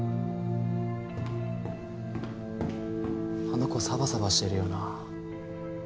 あの子サバサバしてるよな。